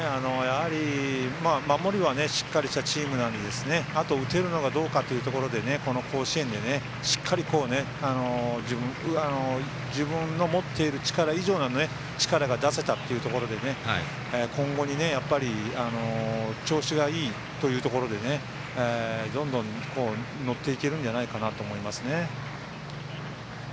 守りはしっかりしたチームなのであとは打てるのがどうかというところでこの甲子園で、しっかり自分の持っている力以上の力が出せたというところで調子がいいというところでどんどん乗っていけるんじゃないかなと思いますね。